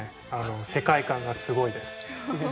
世界観がすごいです。